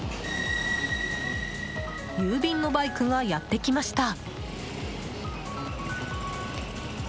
郵便のバイクがやってきました。